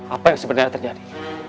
apa yang sebenarnya terjadi